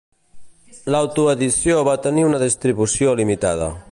L'autoedició va tenir una distribució limitada.